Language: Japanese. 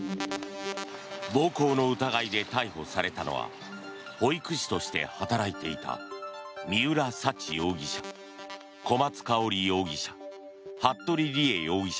暴行の疑いで逮捕されたのは保育士として働いていた三浦沙知容疑者、小松香織容疑者